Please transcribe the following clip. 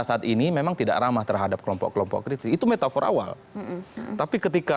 saat ini memang tidak ramah terhadap kelompok kelompok kritis itu metafor awal tapi ketika